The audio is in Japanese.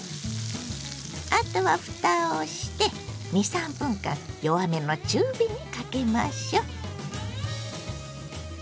あとはふたをして２３分間弱めの中火にかけましょう。